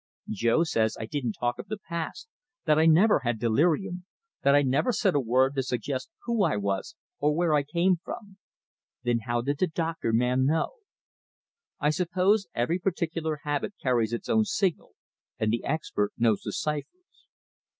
Jo says I didn't talk of the past, that I never had delirium, that I never said a word to suggest who I was, or where I came from. Then how did the doctor man know? I suppose every particular habit carries its own signal, and the expert knows the ciphers."